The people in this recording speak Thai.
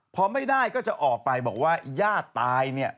พอไม่ได้ก็จะออกไปบอกว่าญาติตายเนี่ย